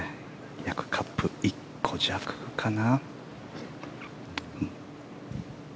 約カップ１個弱かな。